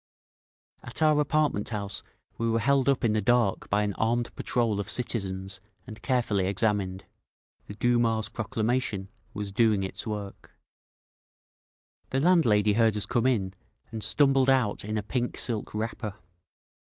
At our apartment house we were held up in the dark by an armed patrol of citizens and carefully examined. The Duma's proclamation was doing its work…. The landlady heard us come in, and stumbled out in a pink silk wrapper.